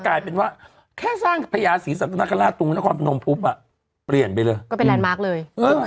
กลายเป็นแรนดมาร์คไปเลย